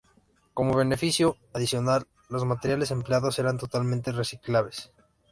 Como beneficio adicional los materiales empleados eran totalmente reciclables.